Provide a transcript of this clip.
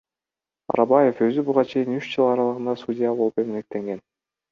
Арабаев өзү буга чейин үч жыл аралыгында судья болуп эмгектенген.